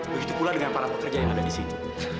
begitu pula dengan para pekerja yang ada di sini